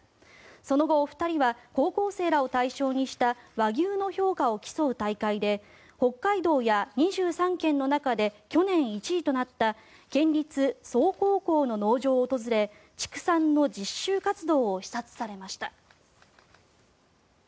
その後、お二人は高校生らを対象にした和牛の評価を競う大会で北海道や２３県の中で去年１位となった県立曽於高校の農場を訪れ畜産の実習活動を視察されました。